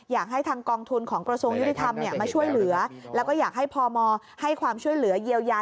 อยากให้ทางกองทุนของกระทรวงยุติธรรมมาช่วยเหลือแล้วก็อยากให้พมให้ความช่วยเหลือเยียวยา